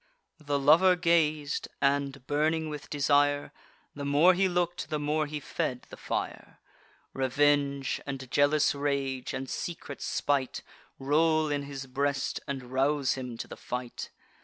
The lover gaz'd, and, burning with desire, The more he look'd, the more he fed the fire: Revenge, and jealous rage, and secret spite, Roll in his breast, and rouse him to the fight.